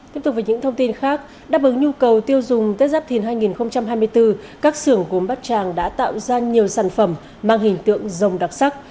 tiếp tục với những thông tin khác đáp ứng nhu cầu tiêu dùng tết giáp thìn hai nghìn hai mươi bốn các xưởng gốm bát tràng đã tạo ra nhiều sản phẩm mang hình tượng dòng đặc sắc